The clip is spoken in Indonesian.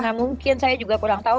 jadi karena mungkin saya juga kurang tahu